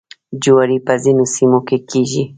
جواری په ځینو سیمو کې کیږي.